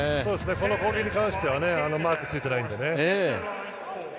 この攻撃に関してはマークがついていないので。